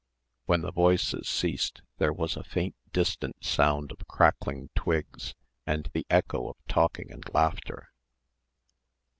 When the voices ceased there was a faint distant sound of crackling twigs and the echo of talking and laughter.